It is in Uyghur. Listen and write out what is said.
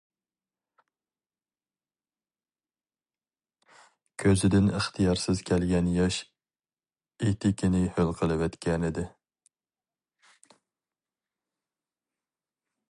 كۆزىدىن ئىختىيارسىز كەلگەن ياش ئېتىكىنى ھۆل قىلىۋەتكەنىدى.